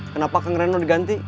kenapa kang reno diganti